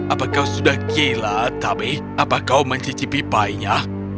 apakah kau sudah gila tapi apakah kau mencicipi elangnya